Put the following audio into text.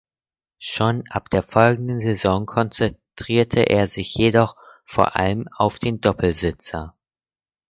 Schon ab der folgenden Saison konzentrierte er sich jedoch vor allem auf den Doppelsitzer.